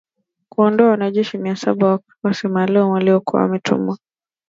kuwaondoa wanajeshi mia saba wa kikosi maalum ambao walikuwa wametumwa